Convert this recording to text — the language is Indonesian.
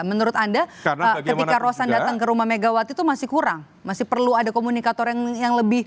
menurut anda ketika rosan datang ke rumah megawati itu masih kurang masih perlu ada komunikator yang lebih